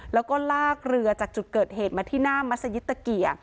แล้วก็ลากเรือจากจุดเกิดเหตุมาที่หน้ามัศยิตตะเกีย